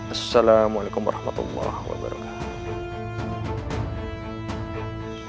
assalamualaikum warahmatullahi wabarakatuh